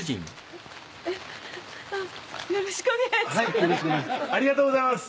よろしくお願いします。